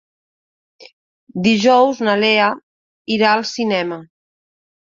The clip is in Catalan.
Dijous na Lea irà al cinema.